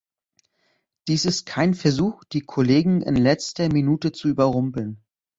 Dies ist kein Versuch, die Kollegen in letzter Minute zu überrumpeln.